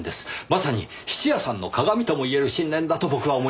まさに質屋さんの鑑ともいえる信念だと僕は思います。